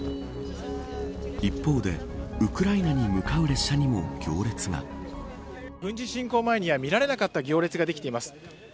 一方で、ウクライナに向かう列車にも行列が軍事侵攻前には見られなかった行列ができています。